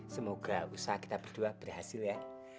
semoga usaha kita berdua berhasil ya